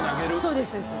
そうですそうです。